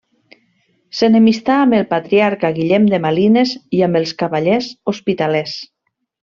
S'enemistà amb el patriarca Guillem de Malines i amb els cavallers hospitalers.